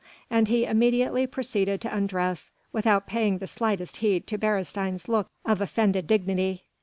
And he immediately proceeded to undress without paying the slightest heed to Beresteyn's look of offended dignity.